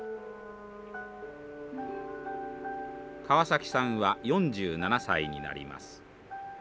川崎さんは４７歳になります。